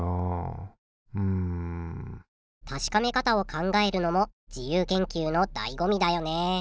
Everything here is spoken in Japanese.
うんたしかめ方を考えるのも自由研究のだいごみだよね！